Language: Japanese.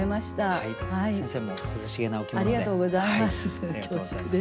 ありがとうございます恐縮です。